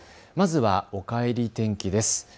まずは、おかえり天気です。